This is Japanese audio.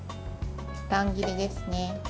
乱切りですね。